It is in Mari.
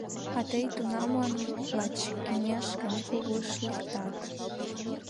А тый тунамлан лач кеҥеж каникулыш лектат...